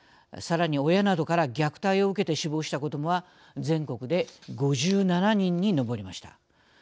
さらに親などから虐待を受けて死亡した子どもは全国で５７人に上りました。